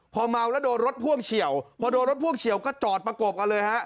พอเมาแล้วโดนรถพ่วงเฉียวพอโดนรถพ่วงเฉียวก็จอดประกบกันเลยฮะ